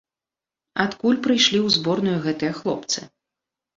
Адкуль прыйшлі ў зборную гэтыя хлопцы?